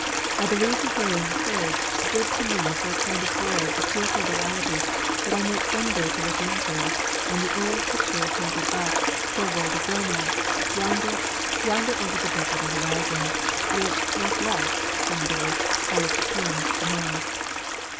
I believe the hurrying herds stood to me for a kind of world of fearful reality that I meant some day to look into, and the old picture painted 'bus for a world of romance, yonder, yonder over the dip of the horizon, which not less, some day, I was determined to know.